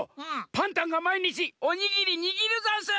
パンタンがまいにちおにぎりにぎるざんす。